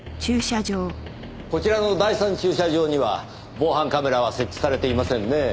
こちらの第三駐車場には防犯カメラは設置されていませんねぇ。